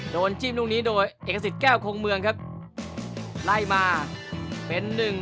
จิ้มลูกนี้โดยเอกสิทธิ์แก้วคงเมืองครับไล่มาเป็นหนึ่ง